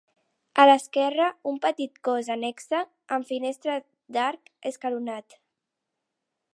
A l'esquerra un petit cos annexa amb finestra d'arc escalonat.